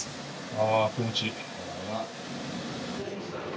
あ気持ちいい。